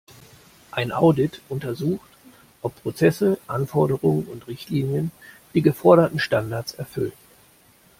Ein Audit untersucht, ob Prozesse, Anforderungen und Richtlinien die geforderten Standards erfüllen.